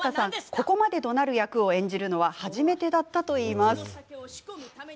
ここまで、どなる役を演じるのは初めてだったといいます。